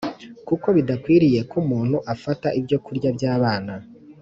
kuko bidakwiriye ko umuntu afata ibyokurya by abana.